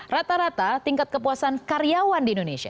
rata rata tingkat kepuasan karyawan di indonesia